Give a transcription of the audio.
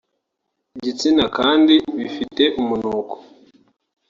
gitsina kandi bifite umunuko